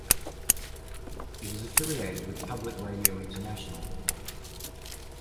It is affiliated with Public Radio International.